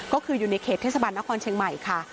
ก็คืออยู่ในเขตเทศบาลนครเชียงใหม่ค่ะ